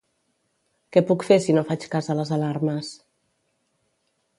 Què puc fer si no faig cas a les alarmes?